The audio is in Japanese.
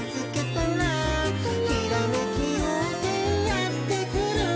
「ひらめきようせいやってくる」